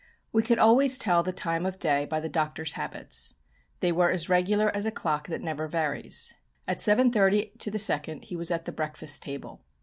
We could always tell the time of day by the Doctor's habits. They were as regular as a clock that never varies. At 7.30 to the second he was at the breakfast table.